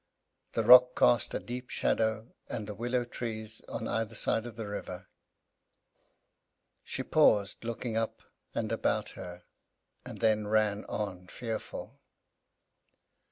The rocks cast a deep shadow, and the willow trees, on either side of the river. She paused, looked up and about her, and then ran on, fearful.